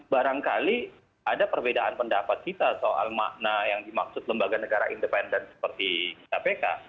barangkali ada perbedaan pendapat kita soal makna yang dimaksud lembaga negara independen seperti kpk